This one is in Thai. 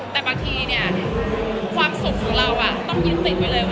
แต่บางทีความสุขของเราต้องยืนติดไว้เลย